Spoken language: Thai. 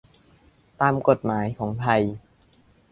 ตามกฎหมายของไทย